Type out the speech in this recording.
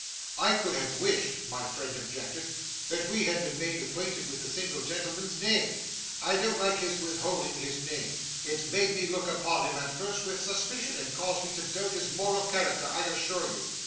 'I could have wished,' my friend objected, 'that we had been made acquainted with the single gentleman's name. I don't like his withholding his name. It made me look upon him at first with suspicion, and caused me to doubt his moral character, I assure you.